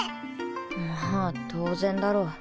⁉まぁ当然だろう。